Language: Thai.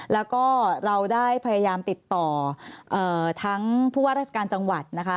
แล้วก็เราได้พยายามติดต่อทั้งผู้ว่าราชการจังหวัดนะคะ